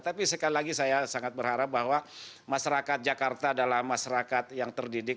tapi sekali lagi saya sangat berharap bahwa masyarakat jakarta adalah masyarakat yang terdidik